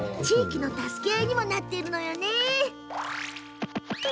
地域の助け合いにもなってるの。